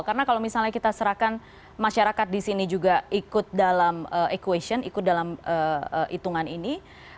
karena kalau misalnya kita serahkan masyarakat di sini juga ikut dalam equation ikut dalam hitungan ini